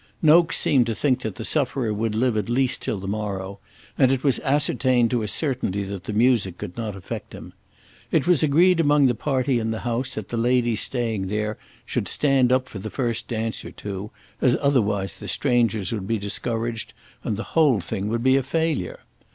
Nokes seemed to think that the sufferer would live at least till the morrow, and it was ascertained to a certainty that the music could not affect him. It was agreed among the party in the house that the ladies staying there should stand up for the first dance or two, as otherwise the strangers would be discouraged and the whole thing would be a failure.